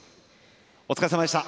お疲れさまでした。